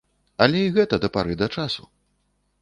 Але і гэта да пары да часу.